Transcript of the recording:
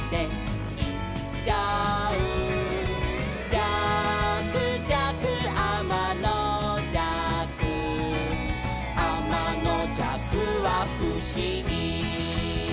「じゃくじゃくあまのじゃく」「あまのじゃくはふしぎ」